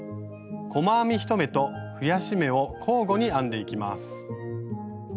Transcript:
細編み１目と増やし目を交互に編んでいきます。